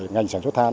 ngành sản xuất than